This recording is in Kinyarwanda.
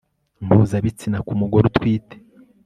mpuzabitsina ku mugore utwite